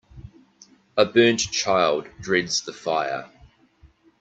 A burnt child dreads the fire